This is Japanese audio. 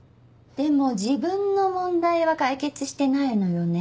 でも自分の問題は解決してないのよね？